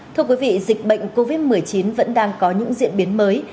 thưa quý vị dịch bệnh covid một mươi chín vẫn đang có những diễn biến mới